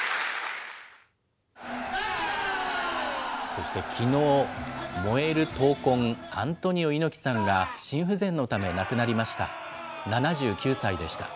そしてきのう、燃える闘魂、アントニオ猪木さんが心不全のため亡くなりました。